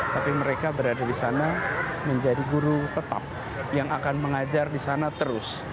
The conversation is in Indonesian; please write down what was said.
tapi mereka berada di sana menjadi guru tetap yang akan mengajar di sana terus